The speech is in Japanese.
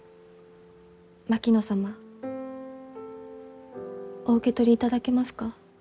お受け取りいただけますか？